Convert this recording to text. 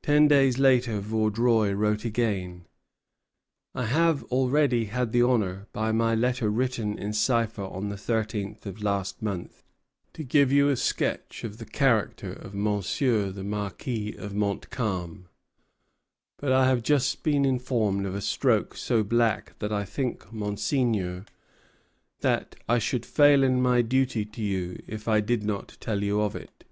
Ten days later Vaudreuil wrote again: "I have already had the honor, by my letter written in cipher on the thirteenth of last month, to give you a sketch of the character of Monsieur the Marquis of Montcalm; but I have just been informed of a stroke so black that I think, Monseigneur, that I should fail in my duty to you if I did not tell you of it."